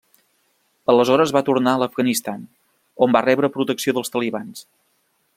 Aleshores va tornar a l'Afganistan, on va rebre protecció dels talibans.